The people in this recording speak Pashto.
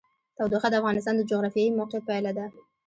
تودوخه د افغانستان د جغرافیایي موقیعت پایله ده.